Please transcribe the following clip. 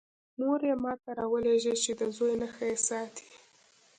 مور یې ما ته راولېږه چې د زوی نښه یې ساتی.